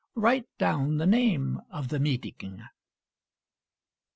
Write down the name of the meeting.